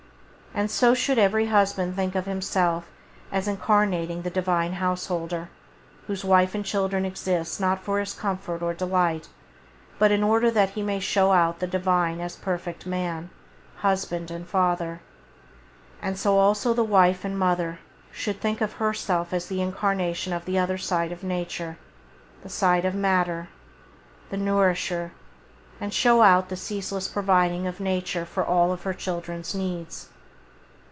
And so should every husband think of himself as incarnating the Divine Householder, whose wife and children exist not for his comfort or delight, but in order that he may show out the Divine as perfect man, as husband and father. And so also the wife and mother should think of herself as the incarnation of the other side of Nature, the side of matter, the [Page 16] nourisher, and show out the ceaseless providing of Nature for all her children's needs.